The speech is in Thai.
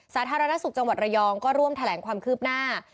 สาธารณสุขจังหวัดระยองก็ร่วมแถลงความคืบหน้า